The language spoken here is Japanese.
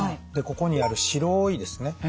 でここにある白いですね